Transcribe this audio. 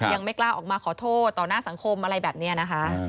ยังไม่กล้าออกมาขอโทษต่อหน้าสังคมอะไรแบบนี้นะคะ